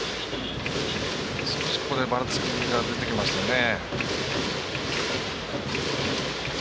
少しばらつきが出てきましたね。